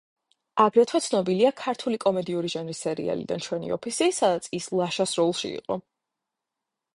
აგრეთვე ცნობილია ქართული კომედიური ჟანრის სერიალიდან „ჩვენი ოფისი“, სადაც ის „ლაშას“ როლში იყო.